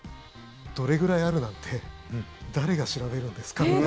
どれぐらいあるなんて誰が調べるんですかって。